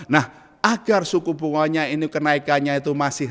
nah agar suku bunganya ini kenaikannya itu masih